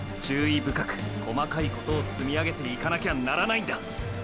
深く細かいことを積み上げていかなきゃならないんだ！